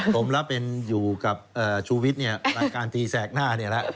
ผมแล้วเป็นอยู่กับชูวิสเนี่ยรายการที่แสกหน้านี่ละ